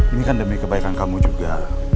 ini kan demi kebaikan kamu juga